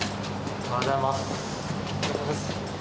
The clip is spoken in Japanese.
おはようございます。